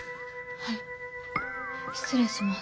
はい失礼します。